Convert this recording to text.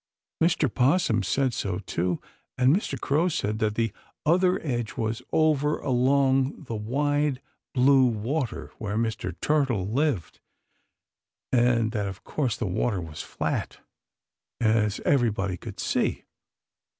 Mr. 'Possum said so, too; and Mr. Crow said that the other edge was over along the wide, blue water, where Mr. Turtle lived, and that of course the water was flat, as everybody could see.